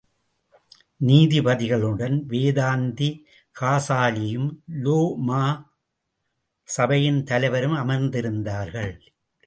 நீதிபதிகளுடன் வேதாந்தி காசாலியும் உலேமா சபையின் தலைவரும் அமர்ந்திருந்தார்கள்.